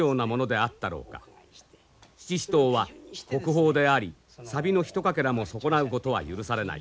七支刀は国宝であり錆のひとかけらも損なうことは許されない。